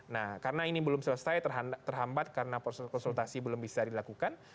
nah karena ini belum selesai terhambat karena proses konsultasi belum bisa dilakukan